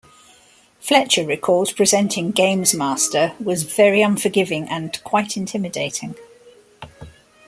Fletcher recalls presenting "GamesMaster" was 'very unforgiving' and 'quite intimidating'.